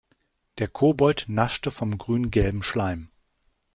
Der Kobold naschte vom grüngelben Schleim.